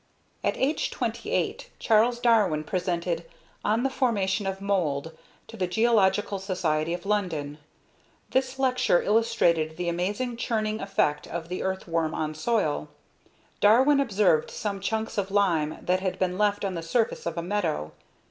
At age 28, Charles Darwin presented "On the Formation of Mould" to the Geological Society of London. This lecture illustrated the amazing churning effect of the earthworm on soil. Darwin observed some chunks of lime that had been left on the surface of a meadow.